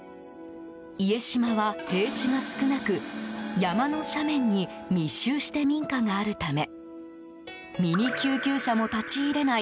家島は平地が少なく山の斜面に密集して民家があるためミニ救急車も立ち入れない